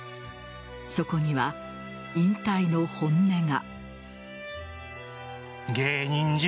そこには引退の本音が。